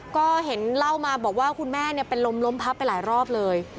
ก็เห็นเล่ามาบอกว่าคุณแม่เป็นลมล้มพับไปหลายรอบเลย